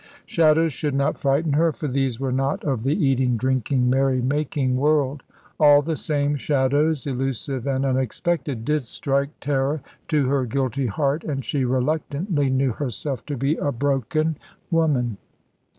Shadows should not frighten her, for these were not of the eating, drinking, merry making world. All the same, shadows, elusive and unexpected, did strike terror to her guilty heart, and she reluctantly knew herself to be a broken woman.